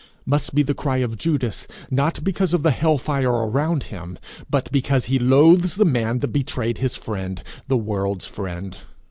must be the cry of Judas, not because of the hell fire around him, but because he loathes the man that betrayed his friend, the world's friend.